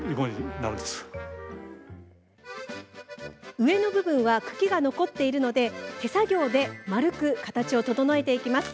上の部分は茎が残っているので手作業で丸く形を整えていきます。